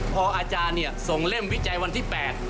พออาจารย์ส่งเล่มวิจัยวันที่๘